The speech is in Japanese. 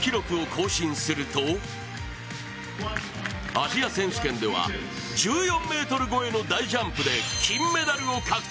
アジア選手権では１４ｍ越えの大ジャンプで金メダルを獲得。